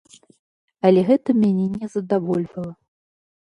Але гэта мяне не задавольвала.